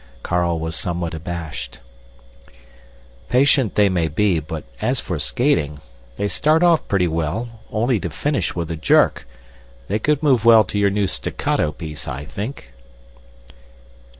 Carl was somewhat abashed. "Patient they may be, but as for skating, they start off pretty well, only to finish with a jerk. They could move well to your new staccato piece, I think."